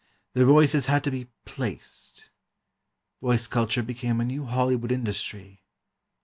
Their voices had to be "placed." Voice culture became a new Hollywood industry.